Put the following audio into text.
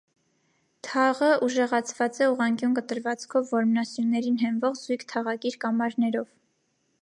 Թաղը ուժեղացված է ուղղանկյուն կտրվածքով որմնասյուներին հենվող զույգ թաղակիր կամարներով։